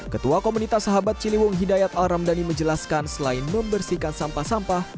ketua komunitas sahabat ciliwung hidayat al ramdhani menjelaskan selain membersihkan sampah sampah